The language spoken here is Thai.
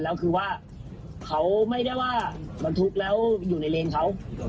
แล้วคือว่าเขาไม่ได้ว่าบรรทุกแล้วอยู่ในเลนเขา